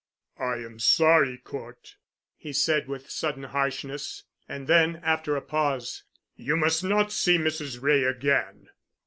"I am sorry, Cort," he said with sudden harshness. And then, after a pause, "You must not see Mrs. Wray again."